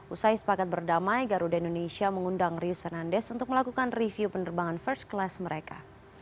usai sepakat berdamai garuda indonesia mengundang rius fernandes untuk melakukan review penerbangan first class mereka